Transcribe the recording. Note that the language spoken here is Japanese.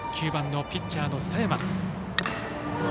９番のピッチャーの佐山。